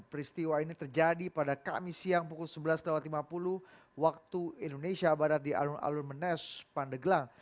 peristiwa ini terjadi pada kamis siang pukul sebelas lima puluh waktu indonesia barat di alun alun menes pandeglang